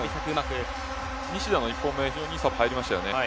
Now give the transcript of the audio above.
西田の１本目、非常にいいサーブが入りましたね。